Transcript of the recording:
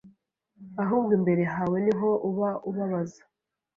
ahubwo imbere hawe niho uba ubabaza